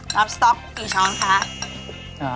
รับสต๊อกกี่ช้อนคะ